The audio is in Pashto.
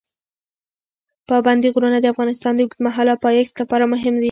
پابندي غرونه د افغانستان د اوږدمهاله پایښت لپاره مهم دي.